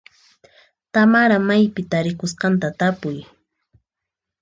Tamara maypi tarikusqanta tapuy.